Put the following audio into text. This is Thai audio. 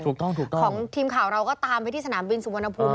ถูกต้องถูกต้องของทีมข่าวเราก็ตามไปที่สนามบินสุวรรณภูมิ